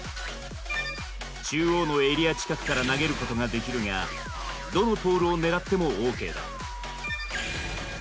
中央のエリア近くから投げることができるがどのポールを狙ってもＯＫだ。